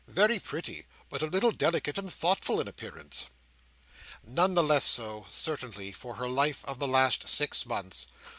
Very pretty, but a little delicate and thoughtful in appearance!" None the less so, certainly, for her life of the last six months.